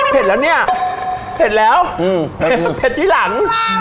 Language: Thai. เผ็ดแล้วเนี่ยเผ็ดแล้วอืมครับที่หลัง